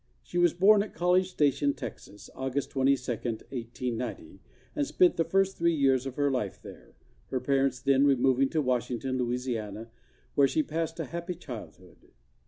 She was born at College Station, Texas, August 22, 1890, and spent the first three years of her life there, her parents then removing to Washington, Louisiana, where she passed a happy childhood.